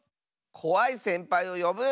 こわいせんぱいをよぶ？